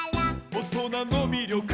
「おとなのみりょく」